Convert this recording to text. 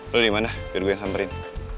lu dimana biar gue samperin